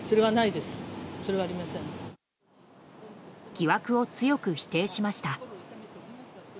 疑惑を強く否定しました。